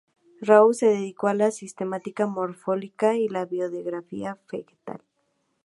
Rauh se dedicó a la sistemática, morfología y la biogeografía vegetal.